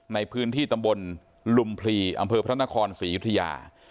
ในพื้นที่ตำบลลุมพลีอำเภอพระนครศรียุธยา